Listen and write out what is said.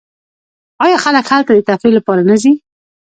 آیا خلک هلته د تفریح لپاره نه ځي؟